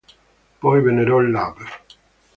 Poi vennero l’Avv.